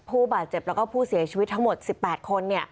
ผู้บาดเจ็บแล้วก็ผู้เสียชีวิตทั้งหมด๑๘คน